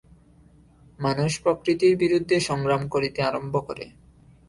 মানুষ প্রকৃতির বিরুদ্ধে সংগ্রাম করিতে আরম্ভ করে।